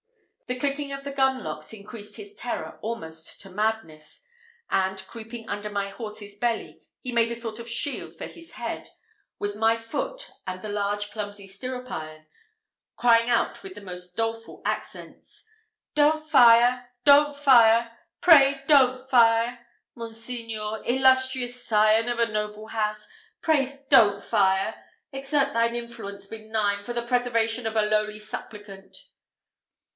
The clicking of the gun locks increased his terror almost to madness; and, creeping under my horse's belly, he made a sort of shield for his head, with my foot and the large clumsy stirrup iron, crying out with the most doleful accents, "Don't fire! don't fire! pray don't fire! Monseigneur! Illustrious scion of a noble house! pray don't fire exert thine influence benign, for the preservation of a lowly supplicant."